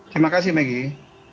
terima kasih maggie